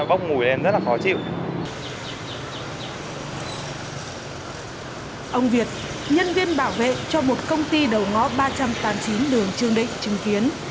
ông việt nhân viên bảo vệ cho một công ty đầu ngõ ba trăm tám mươi chín đường trương định chứng kiến